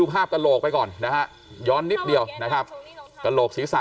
ภาพกระโหลกไปก่อนนะฮะย้อนนิดเดียวนะครับกระโหลกศีรษะ